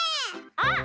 あっ！